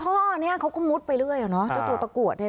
ตัวนี้เขาก็มุดไปเรื่อยเจ้าตัวตะกรวด